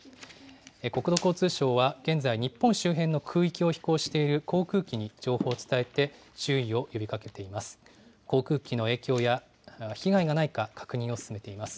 国土交通省は現在、日本周辺の空域を飛行している航空機に情報を伝えて、注意を呼びかけています。